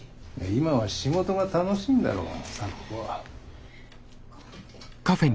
今は仕事が楽しいんだろ咲子は。